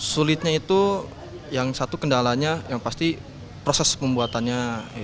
sulitnya itu yang satu kendalanya yang pasti proses pembuatannya